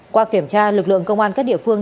qua kiểm tra lực lượng công an các địa phương